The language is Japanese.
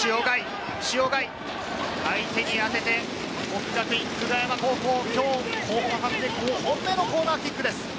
塩貝、相手に当てて、國學院久我山高校、後半で５本目のコーナーキックです。